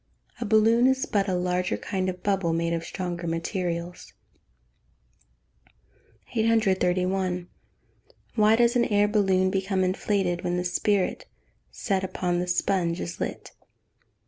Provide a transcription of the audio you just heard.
A balloon is but a larger kind of bubble, made of stronger materials. 831. _Why does an air balloon become inflated when the spirit set upon the sponge is lit?